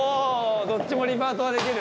どっちもリバートができる。